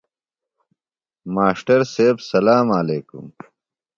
ماݜٹر سیب سلام علیکم۔